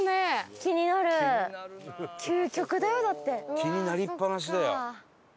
気になりっぱなしだよ。